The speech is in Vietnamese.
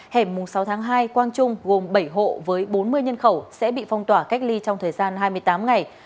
hẻm sáu tháng hai quang trung gồm bảy hộ với bốn mươi nhân khẩu sẽ bị phong tỏa cách ly trong thời gian hai mươi tám ngày